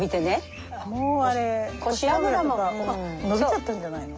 もうあれコシアブラも伸びちゃったんじゃないの？